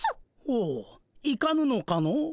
ほういかぬのかの？